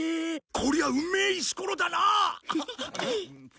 こりゃあうめえ石ころだな！